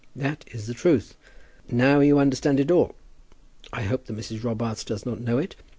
That is the truth. Now you understand it all. I hope that Mrs. Robarts does not know it.